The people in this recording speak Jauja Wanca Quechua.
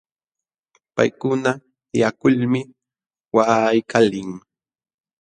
Paykuna llakulmi waqaykalin.